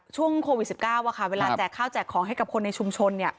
ช่วงโควิด๑๙เวลาแจกข้าวแจกของให้กับคนในชุมชน